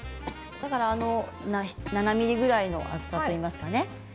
７ｍｍぐらいの厚さといいますかね。